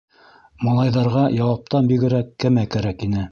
Малайҙарға Яҡуптан бигерәк кәмә кәрәк ине.